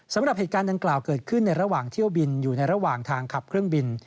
สำหรับเหตุการณ์ดังกล่าวเกิดขึ้นในระหว่างเที่ยวบินอยู่ในระหว่างทางขับเครื่องบิน